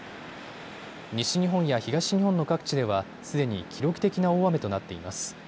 西日本や東日本の各地では、すでに記録的な大雨となっています。